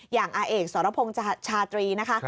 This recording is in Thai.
อย่างอสรพงศ์ชาติรีนะคะ